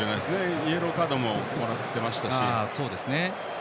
イエローカードももらっていましたし。